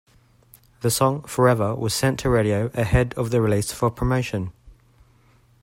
The song "Forever" was sent to radio ahead of the release for promotion.